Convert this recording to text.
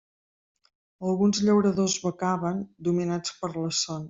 Alguns llauradors becaven, dominats per la son.